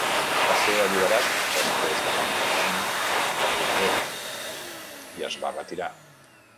Va ser alliberat després de l'entrenament de primavera, i es va retirar.